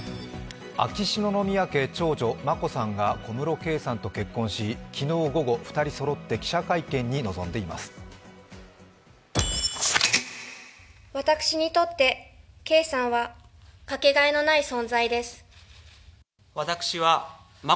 秋篠宮家長女・眞子さんが小室圭さんと結婚し昨日午後、２人そろって記者会見に臨んでいます。